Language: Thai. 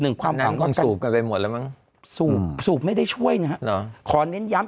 ความหวังความสูบกันไปหมดแล้วมั้งสูบสูบไม่ได้ช่วยนะฮะขอเน้นย้ำ